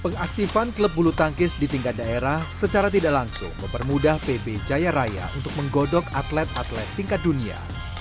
pengaktifan klub bulu tangkis di tingkat daerah secara tidak langsung mempermudah pb jaya raya untuk menggodok atlet atlet tingkat dunia